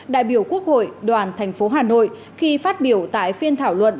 đại biểu quốc hội đoàn tp hà nội khi phát biểu tại phiên thảo luận